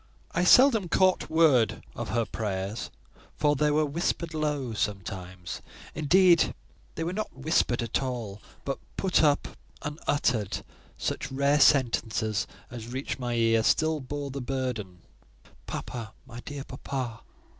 I seldom caught a word of her prayers, for they were whispered low: sometimes, indeed, they were not whispered at all, but put up unuttered; such rare sentences as reached my ear still bore the burden, "Papa; my dear papa!"